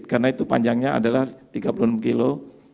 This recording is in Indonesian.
karena itu panjangnya adalah tiga puluh enam kilo